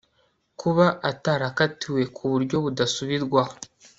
kuba atarakatiwe ku buryo budasubirwaho